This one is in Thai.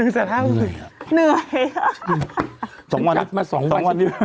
สองวันนี้สองวันนี้บ่ฮ่าฉันกำมันสองวันนี่